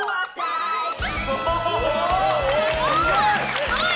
すごい！